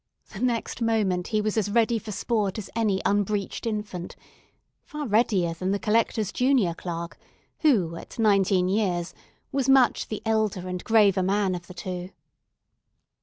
The next moment he was as ready for sport as any unbreeched infant: far readier than the Collector's junior clerk, who at nineteen years was much the elder and graver man of the two.